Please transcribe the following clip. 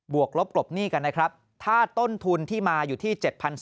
ลบกลบหนี้กันนะครับถ้าต้นทุนที่มาอยู่ที่๗๒๐๐